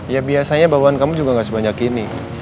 ya biasanya bawaan kamu juga nggak sebanyak ini